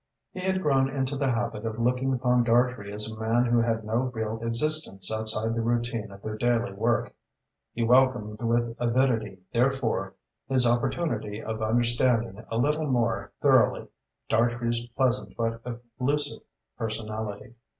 He had grown into the habit of looking upon Dartrey as a man who had no real existence outside the routine of their daily work. He welcomed with avidity, therefore, this opportunity of understanding a little more thoroughly Dartrey's pleasant but elusive personality.